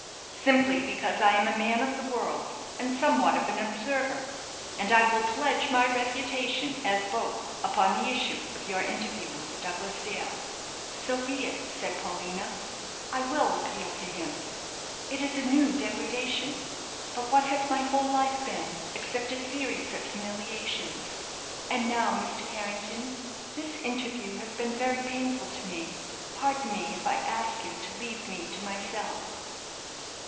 "Simply because I am a man of the world, and somewhat of an observer, and I will pledge my reputation as both upon the issue of your interview with Douglas Dale." "So be it," said Paulina; "I will appeal to him. It is a new degradation; but what has my whole life been except a series of humiliations? And now, Mr. Carrington, this interview has been very painful to me. Pardon me, if I ask you to leave me to myself."